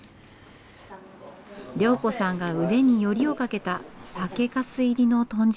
良子さんが腕によりをかけた酒粕入りの豚汁。